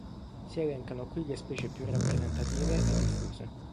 Si elencano qui le specie più rappresentative e diffuse.